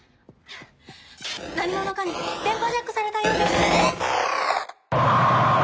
何者かに電波ジャックされたようです！